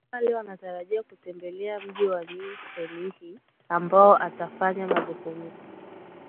obama leo anatarajiwa kutembelea mji wa new delhi ambao atafanya mazungumzo